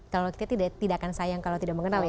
kalau kita tidak akan sayang kalau tidak mengenal ya